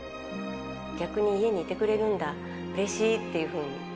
逆に家にいてくれるんだ、うれしい！っていうふうに。